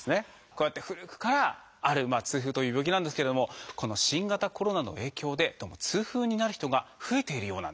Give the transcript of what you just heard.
こうやって古くからある痛風という病気なんですけれどもこの新型コロナの影響でどうも痛風になる人が増えているようなんです。